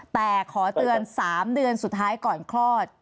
แต่ขอเตือน๓เดือนสุดท้ายก่อนคลอด